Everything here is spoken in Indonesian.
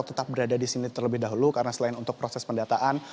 tetap berada di sini terlebih dahulu karena selain untuk proses pendataan